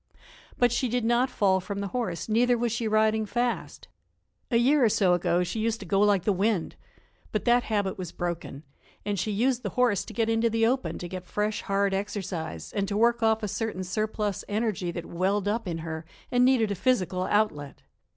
But she did not fall from the horse, neither was she riding fast. A year or so ago she used to go like the wind. But that habit was broken, and she used the horse to get into the open to get fresh, hard exercise, and to work off a certain surplus energy that welled up in her and needed a physical outlet.